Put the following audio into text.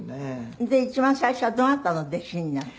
一番最初はどなたの弟子になった？